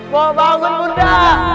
mohon bangun bunda